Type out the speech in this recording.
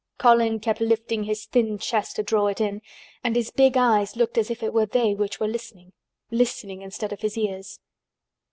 Colin kept lifting his thin chest to draw it in, and his big eyes looked as if it were they which were listening—listening, instead of his ears.